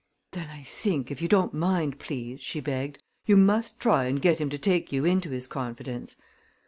"Then I think, if you don't mind, please," she begged, "you must try and get him to take you into his confidence.